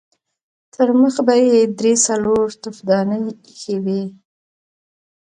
ترمخې به يې درې څلور تفدانۍ اېښې وې.